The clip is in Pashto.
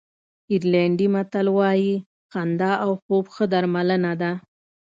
آیرلېنډي متل وایي خندا او خوب ښه درملنه ده.